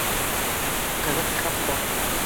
Ҡыҙыҡ хатта.